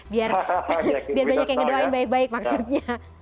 biar banyak yang ngedoain baik baik maksudnya